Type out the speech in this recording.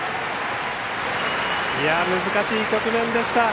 難しい局面でした。